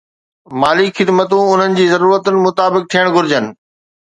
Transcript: مالي خدمتون انهن جي ضرورتن مطابق ٿيڻ گهرجن